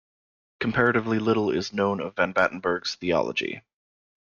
Comparatively little is known of Van Batenburg's theology.